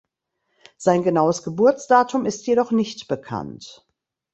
Sein genaues Geburtsdatum ist jedoch nicht bekannt.